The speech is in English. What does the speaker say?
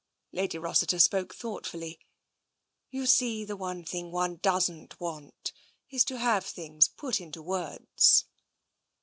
Lady Rossiter spoke thoughtfully. " You see, the one thing one doesn't want, is to have things put into words."